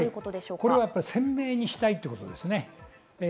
鮮明にしたいということですね。